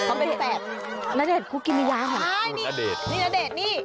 เขาเป็นแบบณเดชน์กูกินไม่ยากเหรอคุณณเดชน์นี่ณเดชน์นี่